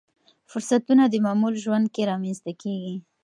فرصتونه د معمول ژوند کې رامنځته کېږي.